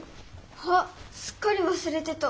あっすっかりわすれてた。